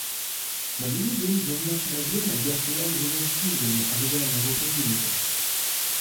На другой день в назначенное время я стоял уже за скирдами, ожидая моего противника.